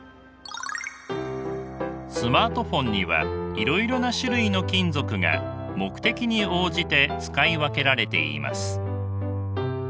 スマートフォンにはいろいろな種類の金属が目的に応じて使い分けられています。